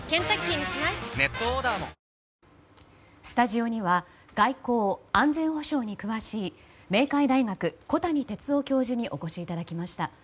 スタジオには外交・安全保障に詳しい明海大学小谷哲男教授にお越しいただきました。